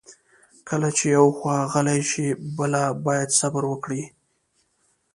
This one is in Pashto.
کله چې یوه خوا غلې شي، بله باید صبر وکړي.